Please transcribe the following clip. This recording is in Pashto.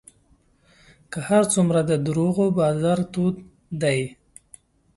که هر څومره د دروغو بازار تود دی